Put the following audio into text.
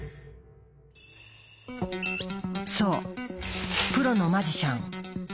そうプロのマジシャン。